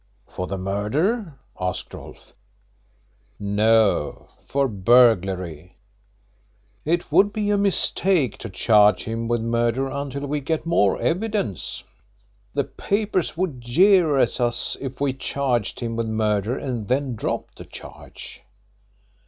"For the murder?" asked Rolfe. "No; for burglary. It would be a mistake to charge him with murder until we get more evidence. The papers would jeer at us if we charged him with murder and then dropped the charge."'